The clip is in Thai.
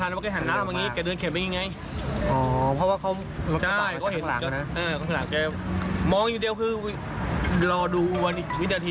หัวหน้าก็ต้องกลับไป